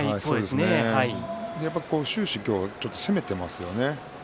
やっぱ、終始攻めていますよね。